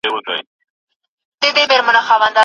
د لويي جرګې ګډونوال څنګه کابل ته راځي؟